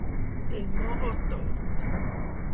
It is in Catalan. Del morro tort.